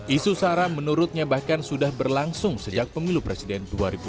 isu sara menurutnya bahkan sudah berlangsung sejak pemilu presiden dua ribu sembilan belas